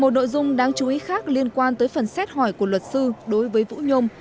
một nội dung đáng chú ý khác liên quan tới phần xét hỏi của luật sư đối với vũ nhôm